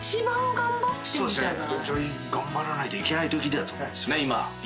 頑張らないといけないときだと思う今が。